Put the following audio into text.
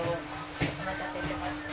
お待たせしました。